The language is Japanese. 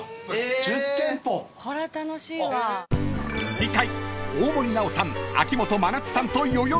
［次回］